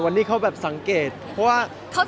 วันนี้เขาแบบสังเกตเพราะว่า